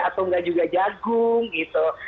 atau nggak juga jagung gitu